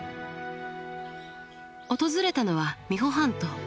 訪れたのは三保半島。